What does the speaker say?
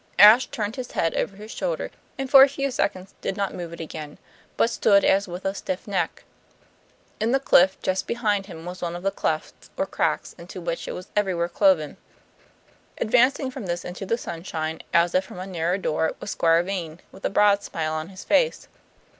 Ashe turned his head over his shoulder, and for a few seconds did not move it again, but stood as if with a stiff neck. In the cliff just behind him was one of the clefts or cracks into which it was everywhere cloven. Advancing from this into the sunshine, as if from a narrow door, was Squire Vane, with a broad smile on his face.